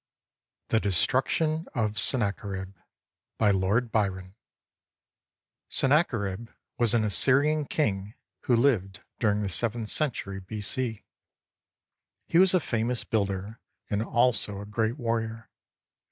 THE DESTRUCTION OF SENNACHERIB BY LORD BYRON [Sennacherib was an Assyrian king who lived during the seventh century, B.C. He was a famous builder and also a great warrior.